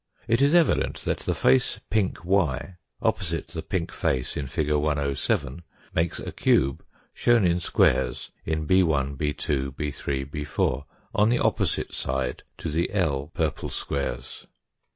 It is evident that the face pink y, opposite the pink face in fig. 107, makes a cube shown in squares in 6 1? 6 2 , 6 3 , 6 4 , on the opposite side to the I purple squares.